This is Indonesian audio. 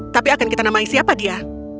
tapi akan kita namai siapa dia